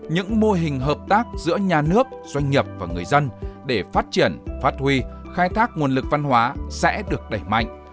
những mô hình hợp tác giữa nhà nước doanh nghiệp và người dân để phát triển phát huy khai thác nguồn lực văn hóa sẽ được đẩy mạnh